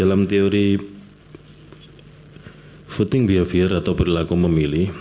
dalam teori footing behavior atau berlaku memilih